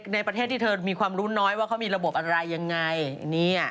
ในประเทศที่เธอมีความรู้น้อยว่ามีระบบอะไรอย่างไรเนี่ย